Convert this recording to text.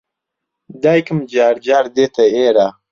دایکم جار جار دێتە ئێرە.